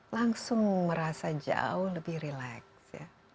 langsung merasa jauh lebih relax ya